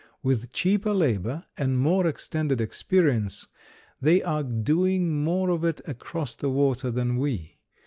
With cheaper labor and more extended experience, they are doing more of it across the water than we.